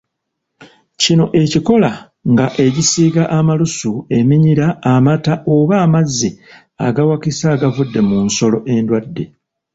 Kino ekikola nga egisiiga amalusu, eminyira, amata oba amazzi agawakisa agavudde mu nsolo endwadde.